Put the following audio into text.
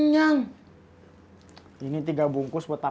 iya ada ben satu ratus dua puluh tiga ini kalau ternyata